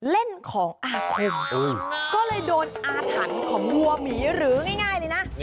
เล่นของอาคมก็เลยโดนอาถรรพ์ของวัวหมีหรือง่ายเลยนะ